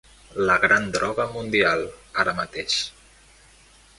La gran droga mundial, ara mateix.